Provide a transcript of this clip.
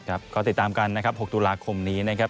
ก็ติดตามกันนะครับ๖ตุลาคมนี้นะครับ